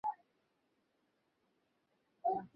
সে হত্যার করে একজন ক্রীতদাসকে ফাঁসিয়েছিল।